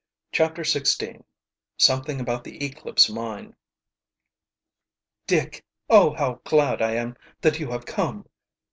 CHAPTER XVI SOMETHING ABOUT THE ECLIPSE MINE "Dick! Oh, how glad I am that you have come!"